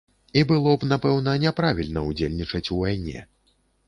І было б, напэўна, няправільна ўдзельнічаць у вайне.